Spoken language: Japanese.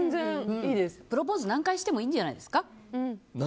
プロポーズ何回してもいいんじゃないですか？